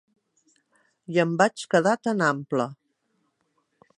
I em vaig quedar tan ample.